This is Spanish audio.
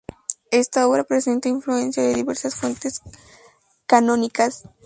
Esta obra presenta influencia de diversas fuentes canónicas.